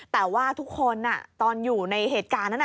แต่ว่าทุกคนตอนอยู่ในเหตุการณ์นั้น